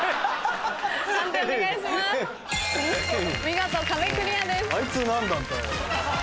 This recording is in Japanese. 見事壁クリアです。